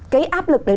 cái áp lực đấy